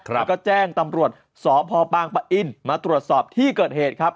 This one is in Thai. แล้วก็แจ้งตำรวจสพปางปะอินมาตรวจสอบที่เกิดเหตุครับ